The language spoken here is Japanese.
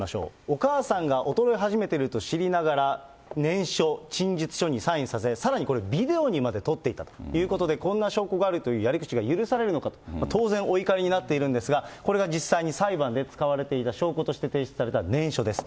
お母さんが衰え始めていると知りながら、念書、陳述書にサインさせ、さらにこれ、ビデオにまで撮っていたということで、こんな証拠があるというやり口が許されるのかと、当然、お怒りになっているんですが、これが実際に裁判で使われている証拠として提出された念書です。